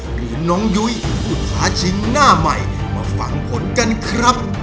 หรือน้องยุ้ยผู้ท้าชิงหน้าใหม่มาฟังผลกันครับ